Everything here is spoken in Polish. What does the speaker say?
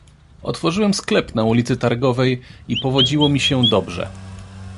"Otworzyłem sklep na ulicy Targowej i powodziło mi się dobrze."